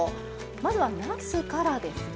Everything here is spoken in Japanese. まずはなすからですね。